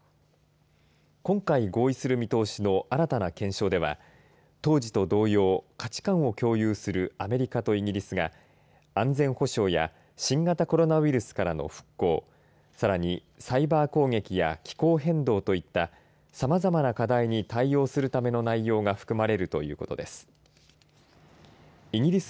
今回、合意する見通しの新たな検証では当時と同様、価値観を共有するアメリカとイギリスが安全保障や新型コロナウイルスからの復興さらにサイバー攻撃や気候変動といったさまざまな課題に対応するための内容が含まれるということです。